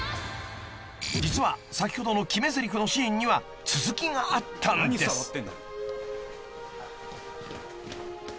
［実は先ほどの決めぜりふのシーンには続きがあったんです］